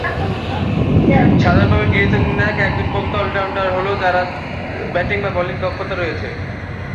সাধারণভাবে গৃহীত নির্ণায়ক একজন "প্রকৃত অলরাউন্ডার" হল তারা যারা ব্যাটিং বা বোলিং দক্ষতা রয়েছে।